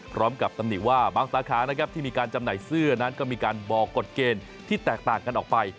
ตำหนิว่าบางสาขานะครับที่มีการจำหน่ายเสื้อนั้นก็มีการบอกกฎเกณฑ์ที่แตกต่างกันออกไป